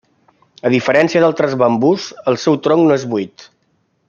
A diferència d'altres bambús, el seu tronc no és buit.